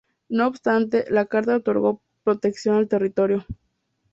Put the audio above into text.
No obstante, la carta otorgó protección al territorio.